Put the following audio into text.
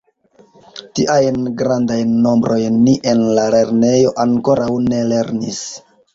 Tiajn grandajn nombrojn ni en la lernejo ankoraŭ ne lernis.